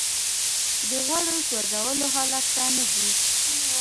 د غوړو سوځولو حالت ته نه ځي